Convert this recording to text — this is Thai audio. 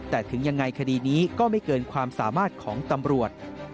แต่ถึงยังไงคดีนี้ก็ไม่เกินความสามารถของตำรวจ